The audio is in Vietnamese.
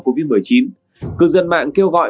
covid một mươi chín cư dân mạng kêu gọi